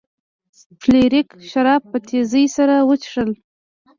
فلیریک شراب په تیزۍ سره وڅښل.